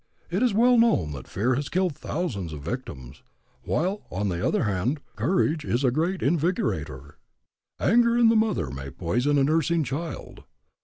It is well known that fear has killed thousands of victims; while, on the other hand, courage is a great invigorator. "Anger in the mother may poison a nursing child.